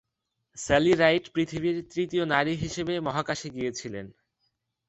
Sally Ride পৃথিবীর তৃতীয় নারী হিসেবে মহাকাশে গিয়েছিলেন।